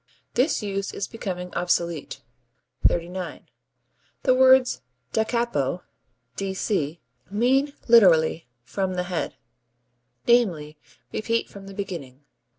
This use is becoming obsolete. 39. The words da capo (D.C.) mean literally "from the head," i.e., repeat from the beginning.